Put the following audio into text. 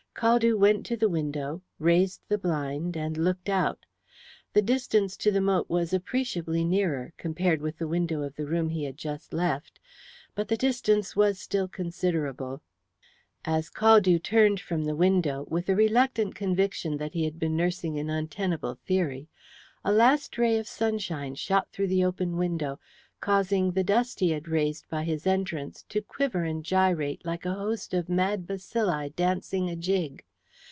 Caldew went to the window, raised the blind, and looked out. The distance to the moat was appreciably nearer, compared with the window of the room he had just left, but the distance was still considerable. As Caldew turned from the window, with the reluctant conviction that he had been nursing an untenable theory, a last ray of sunshine shot through the open window, causing the dust he had raised by his entrance to quiver and gyrate like a host of mad bacilli dancing a jig.